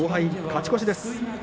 勝ち越しです。